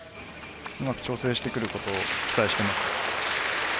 うまく調整してくることを期待してます。